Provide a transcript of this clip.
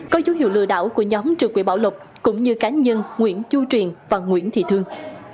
có dấu hiệu lừa đảo của nhóm trừ quỹ bảo lộc cũng như cá nhân nguyễn chu truyền và nguyễn thị thương